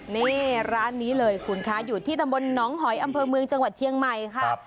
นี่ร้านนี้เลยคุณคะอยู่ที่ตำบลหนองหอยอำเภอเมืองจังหวัดเชียงใหม่ค่ะ